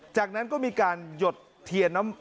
จากนั้นก็มีการหยดเทียนน้ำ